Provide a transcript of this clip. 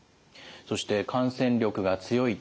そして感染力が強い。